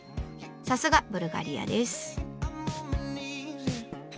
さすがブルガリアです。